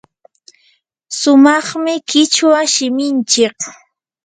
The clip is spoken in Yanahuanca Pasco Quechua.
sumaqmi qichwa shiminchik.